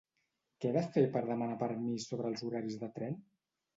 Què he de fer per demanar permís sobre els horaris de tren?